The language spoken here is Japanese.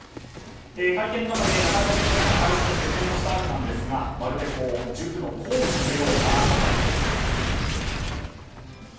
会見の中で、中山弁護士が回収の説明をしたんですがまるで塾の講義のような内容だったんです。